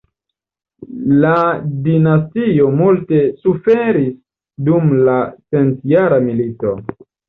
La dinastio multe suferis dum la centjara milito.